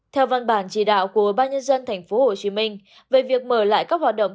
theo văn bản chỉ đạo của ban nhân dân tp hcm về việc mở lại các hoạt động